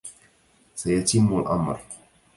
سيتم الامر